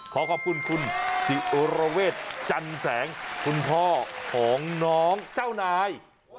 ขอขอบคุณคุณศิรเวทจันแสงคุณพ่อของน้องเจ้านาย